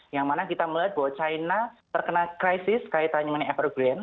yang mana kita melihat bahwa china terkena krisis kaitannya dengan evergran